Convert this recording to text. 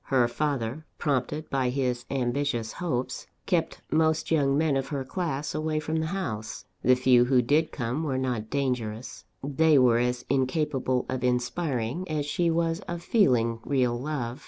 Her father, prompted by his ambitious hopes, kept most young men of her class away from the house; the few who did come were not dangerous; they were as incapable of inspiring, as she was of feeling, real love.